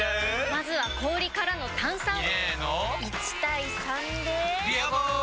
まずは氷からの炭酸！入れの１：３で「ビアボール」！